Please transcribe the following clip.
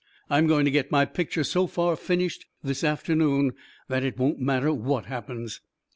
I am going to get my picture so far finished this afternoon, that it won't matter what happens."